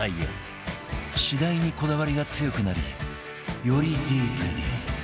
次第にこだわりが強くなりより ＤＥＥＰ に